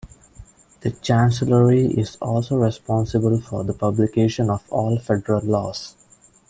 The chancellery is also responsible for the publication of all federal laws.